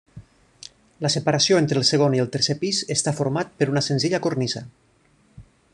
La separació entre el segon i el tercer pis està format per una senzilla cornisa.